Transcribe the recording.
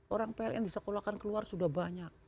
orang pln disekolahkan ke luar sudah banyak